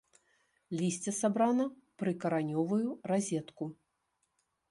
Лісце сабрана ў прыкаранёвую разетку.